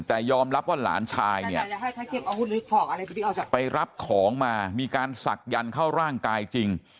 แต่ยอมรับว่าหลานชายเนี่ยไปรับของมามีการศักยันต์เข้าร่างกายจริง